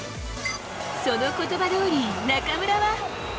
そのことばどおり、中村は。